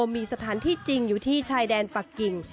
มีสถานที่จริงอยู่ที่ชายแดนปักกิ่ง